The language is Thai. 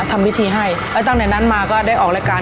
ทำพิธีให้แล้วตั้งแต่นั้นมาก็ได้ออกรายการ